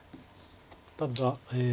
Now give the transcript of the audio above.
ただ。